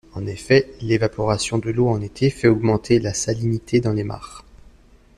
En effet, l'évaporation de l’eau en été fait augmenter la salinité dans les mares.